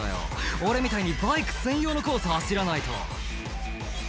「俺みたいにバイク専用のコース走らないと」